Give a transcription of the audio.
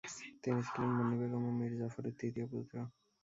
তিনি ছিলেন মুন্নী বেগম ও মীর জাফরের তৃতীয় পুত্র।